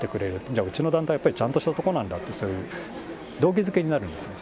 じゃあ、うちの団体、ちゃんとしたところなんだという、そういう動機づけになるんですね。